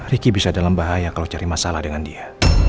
ricky bisa dalam bahaya kalau cari masalah dengan dia